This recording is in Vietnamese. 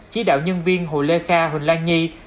chỉ đạo nhân viên hồ lê kha huỳnh lan nhi